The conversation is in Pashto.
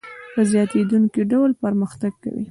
په زیاتېدونکي ډول پرمختګ کوي